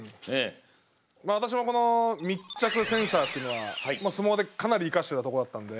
私もこの密着センサーっていうのは相撲でかなり生かしてたとこだったんで。